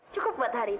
cukup buat hari ini